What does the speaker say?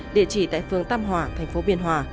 địa chỉ tại phương tăm hỏa thành phố biên hòa